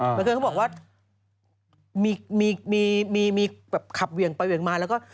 เมื่อเทียวก็บอกว่ามีขับเวียงไปเวียงมา